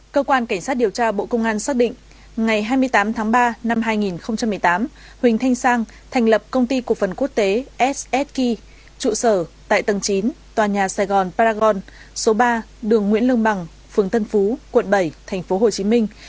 cơ quan cảnh sát điều tra bộ công an xác định ngày hai mươi tám tháng ba năm hai nghìn một mươi tám huỳnh thanh sang thành lập công ty cục phần quốc tế ssk trụ sở tại tầng chín tòa nhà sài gòn paragon số ba đường nguyễn lương bằng phường tân phú quận bảy tp hcm